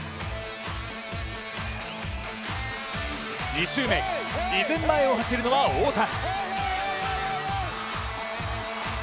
２周目、依然前を走るのは太田。